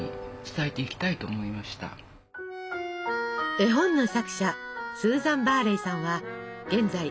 絵本の作者スーザン・バーレイさんは現在６１歳。